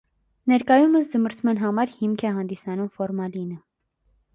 Ներկայումս զմռսման համար հիմք է հանդիսանում ֆորմալինը։